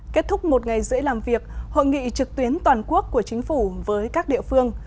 kết thúc một ngày dễ làm việc hội nghị trực tuyến toàn quốc của chính phủ với các địa phương